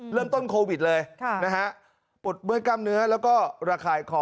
เริ่มต้นโควิดเลยนะฮะปวดเมื่อยกล้ามเนื้อแล้วก็ระคายคอ